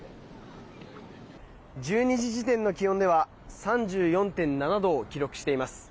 １２時時点の気温では３４．７度を記録しています。